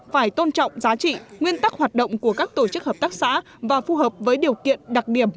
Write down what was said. phải tôn trọng giá trị nguyên tắc hoạt động của các tổ chức hợp tác xã và phù hợp với điều kiện đặc điểm